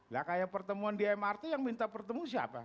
lah kayak pertemuan di mrt yang minta pertemu siapa